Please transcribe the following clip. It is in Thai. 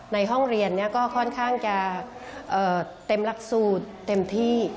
ในห้องเรียนก็ค่อนข้างจะเต็มหลักสูตรเต็มที่